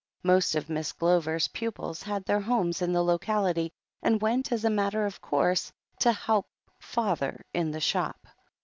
Most of Miss Glover's pupils had their homes in the locality, and went as a matter of course "to help father in the shop."